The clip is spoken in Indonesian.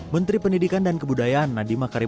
menteri pendidikan dan kebudayaan nadiem makarim